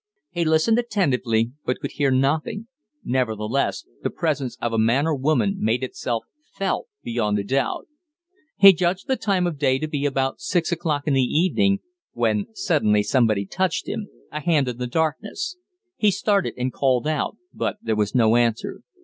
He listened attentively, but could hear nothing; nevertheless the presence of a man or woman made itself "felt" beyond a doubt. He judged the time of day to be about six o'clock in the evening, when suddenly somebody touched him a hand in the darkness. He started, and called out; but there was no answer.